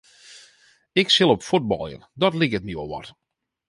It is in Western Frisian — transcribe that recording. Ik sil op fuotbaljen, dat liket my wol wat.